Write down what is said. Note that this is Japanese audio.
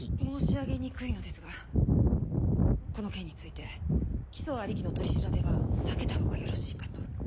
申し上げにくいのですがこの件について起訴ありきの取り調べは避けたほうがよろしいかと。